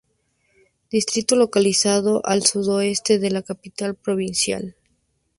Distrito localizado al sudoeste de la capital provincial.